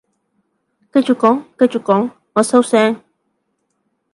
繼續講繼續講，我收聲